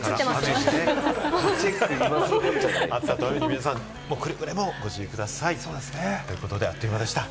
皆さん、くれぐれもご注意ください。ということで、あっという間でし